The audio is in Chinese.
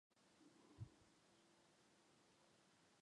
求米草粉虱为粉虱科草粉虱属下的一个种。